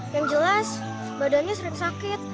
yang jelas badannya sering sakit